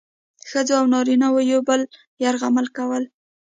ښځو او نارینه وو یو بل یرغمل کول.